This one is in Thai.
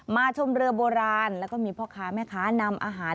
ชมเรือโบราณแล้วก็มีพ่อค้าแม่ค้านำอาหาร